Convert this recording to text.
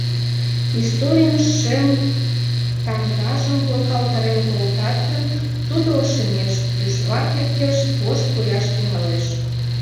Историйын шем тамгажым волгалтарен колтат гын, Тудо ошемеш, тӱжвак лектеш, вошт кояш тӱҥалеш.